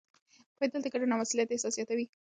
پوهېدل د ګډون او مسؤلیت احساس زیاتوي.